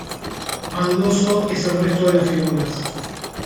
Más dudoso es el resto de las figuras.